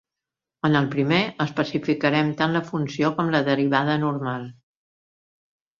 En el primer, especificarem tant la funció com la derivada normal.